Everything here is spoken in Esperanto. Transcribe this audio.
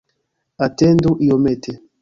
Atendu iomete.